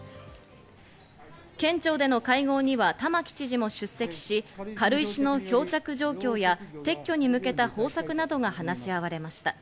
県庁での会合には玉城知事も出席し、軽石の漂着状況や撤去に向けた方策などが話し合われました。